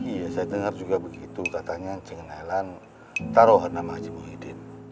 iya saya dengar juga begitu katanya dengan helan taruh nama haji muhyiddin